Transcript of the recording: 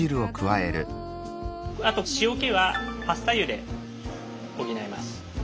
あと塩気はパスタ湯で補います。